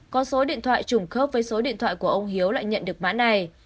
có số điện thoại trùng khớp với số điện thoại của ông hiếu lại nhận được mã này